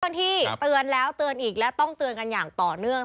กันที่เตือนแล้วเตือนอีกและต้องเตือนกันอย่างต่อเนื่อง